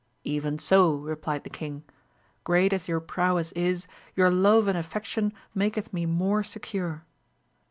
Even so, replied the king ; great as your prowess is, your love and affection maketh me more secure.